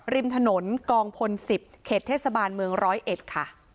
ริมถนนกองพล๑๐เขตเทศบาลเมืองร้อยเอ็ดค่ะ